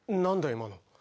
今の。